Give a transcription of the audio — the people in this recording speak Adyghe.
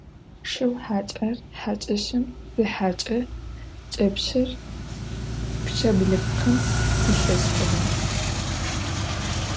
Шыу хьакӏэр хьакӏэщым зихьэкӏэ кӏэпщыр пчъэ блыпкъым пилъэщтыгъэ.